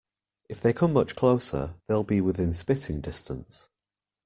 If they come much closer, they'll be within spitting distance.